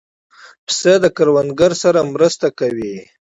پسه د کروندګر سره مرسته کوي.